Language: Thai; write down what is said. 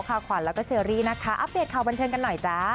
คาวขวันเราก็เชื่อรีด์และอัพเดทข่าวบนเทิงกันหน่อยจ้า